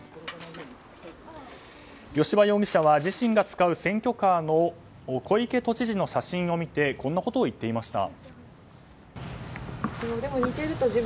吉羽容疑者は自身が使う選挙カーの小池都知事の写真を見てこんなことを言っていました。